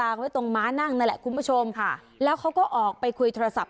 ไว้ตรงม้านั่งนั่นแหละคุณผู้ชมค่ะแล้วเขาก็ออกไปคุยโทรศัพท์